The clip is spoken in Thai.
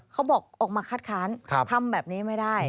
เขาบอกออกมาคัดค้านทำแบบนี้ไม่ได้